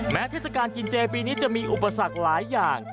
เทศกาลกินเจปีนี้จะมีอุปสรรคหลายอย่าง